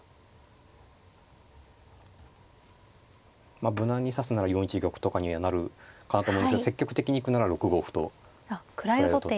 まあ無難に指すなら４一玉とかにはなるかなと思うんですけど積極的に行くなら６五歩と位を取って。